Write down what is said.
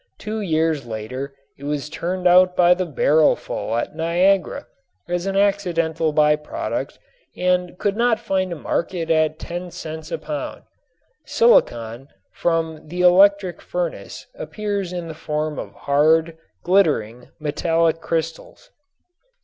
Two years later it was turned out by the barrelful at Niagara as an accidental by product and could not find a market at ten cents a pound. Silicon from the electric furnace appears in the form of hard, glittering metallic crystals.